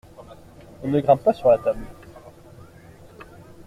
On ne grimpe pas sur la table.